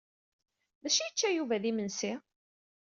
D acu i yečča Yuba d imensi?